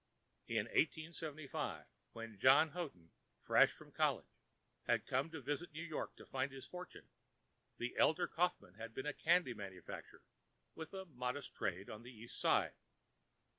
In 1875, when John Houghton, fresh from college, had come to New York to find his fortune, the elder Kaufmann had been a candy manufacturer with a modest trade on the East Side.